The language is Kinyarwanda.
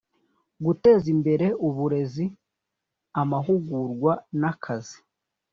Guteza imbere uburezi amahugurwa n akazi